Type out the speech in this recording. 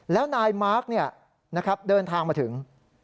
แล้วนายมาร์คเนี่ยนะครับเดินทางมาถึง